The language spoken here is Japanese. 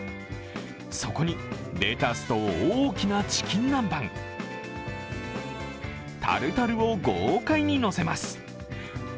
そこにレタスと大きなチキン南蛮、タルタルを豪快にのせます。